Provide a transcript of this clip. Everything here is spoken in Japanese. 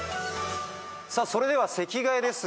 さあそれでは席替えです。